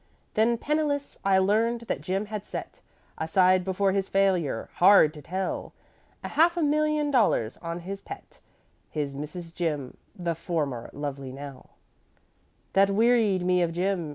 "'Then, penniless, I learned that Jim had set Aside before his failure hard to tell! A half a million dollars on his pet His Mrs. Jim the former lovely Nell. "'That wearied me of Jim.